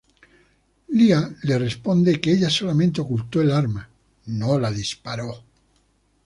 Lya le responde que ella solamente oculto el arma, no la disparó.